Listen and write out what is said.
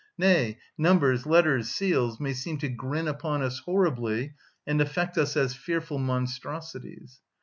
nay, numbers, letters, seals, may seem to grin upon us horribly and affect us as fearful monstrosities.